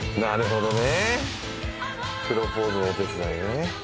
なるほど。